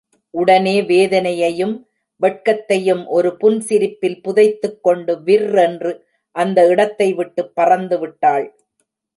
உடனே வேதனையையும், வெட்கத்தையும் ஒரு புன்சிரிப்பில் புதைத்துக் கொண்டு விர் ரென்று அந்த இடத்தை விட்டுப் பறந்து விட்டாள்.